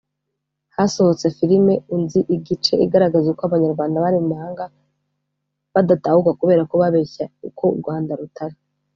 Hasohotse Film ‘’Unzi Igice’’ igaragaza uko Abanyarwanda bari mu mahanga badatahuka kubera ko bababeshya uko u Rwanda rutari